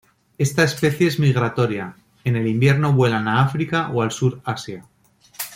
Esta especie es migratoria; en el invierno vuelan a África o al sur Asia.